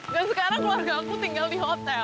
dan sekarang keluarga aku tinggal di hotel